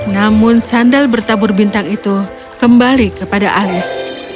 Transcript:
namun sandal bertabur bintang itu kembali kepada alis